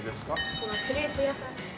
ここはクレープ屋さん。